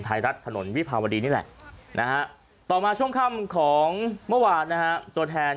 ไทยรัฐถนนวิภาวดีนี่แหละนะฮะต่อมาช่วงค่ำของเมื่อวานนะฮะตัวแทน